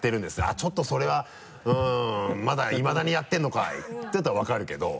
「あっちょっとそれはまだいまだにやってるのかい」ていうんだったら分かるけど。